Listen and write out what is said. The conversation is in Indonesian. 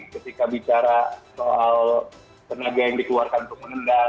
ketika bicara soal tenaga yang dikeluarkan untuk mengendal